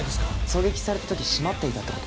狙撃された時閉まっていたって事？